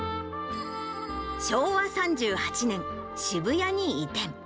昭和３８年、渋谷に移転。